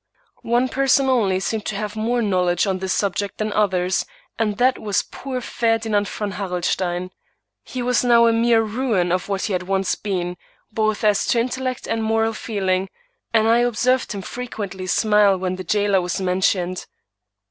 One person only seemed to have more knowledge on this subject than others, and that was poor Ferdinand von Harrelstein. He was now a mere ruin of what he had once been, both as to intellect and moral feeling; and I observed him frequently smile when the jailer was mentioned.